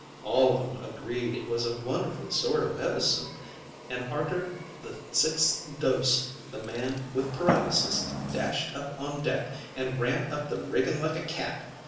All of 'em agreed it was a wonderful sort o' medicine, an' arter the sixth dose the man with paralysis dashed up on deck, and ran up the rigging like a cat.